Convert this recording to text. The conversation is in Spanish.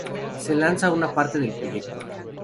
Se lanza una parte del proyecto.